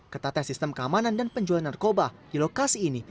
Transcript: ketatnya sistem keamanan dan penjualan narkoba di lokasi ini